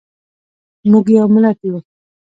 موږ یو ملت یو.